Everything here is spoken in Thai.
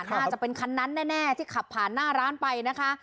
น่าจะเป็นคันนั้นแน่ที่ขับผ่านหน้าร้านไปนะคะ